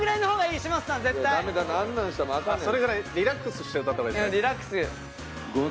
それぐらいリラックスして歌った方が。